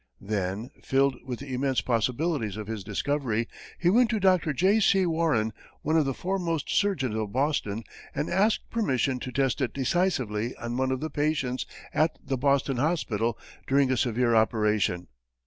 Then, filled with the immense possibilities of his discovery, he went to Dr. J. C. Warren, one of the foremost surgeons of Boston, and asked permission to test it decisively on one of the patients at the Boston hospital during a severe operation.